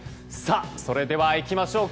それではいきましょう。